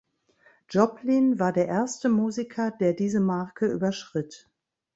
Joplin war der erste Musiker, der diese Marke überschritt.